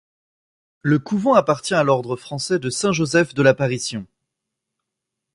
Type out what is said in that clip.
Le couvent appartient à l'ordre français de Saint-Joseph de l'Apparition.